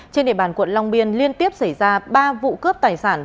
trên địa bàn quận long biên liên tiếp xảy ra ba vụ cướp tài sản